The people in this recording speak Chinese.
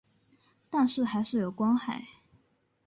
但是还是有光害